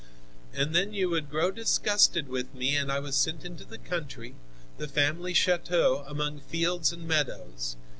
And then you would grow disgusted with me and I was sent into the country, the family chateau, among fields and meadows.